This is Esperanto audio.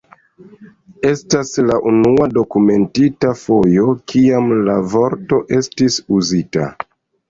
Estas la unua dokumentita fojo, kiam la vorto estis uzita.